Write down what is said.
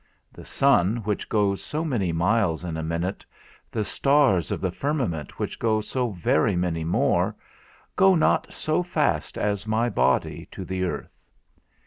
The sun which goes so many miles in a minute, the stars of the firmament which go so very many more, go not so fast as my body to the earth.